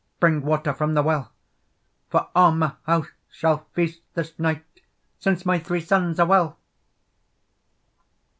Bring water from the well; For a' my house shall feast this night, Since my three sons are well."